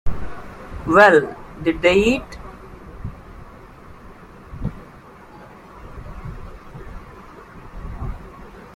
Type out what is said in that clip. Well, did they eat.